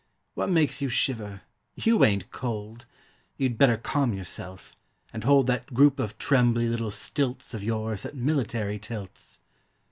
What makes you shiver? You ain't cold! You'd better calm yourself and hold That group of trembly little stilts Of yours at military tilts!